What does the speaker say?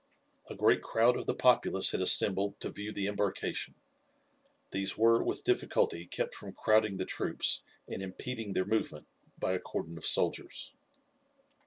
A great crowd of the populace had assembled to view the embarkation. These were with difficulty kept from crowding the troops and impeding their movement by a cordon of soldiers.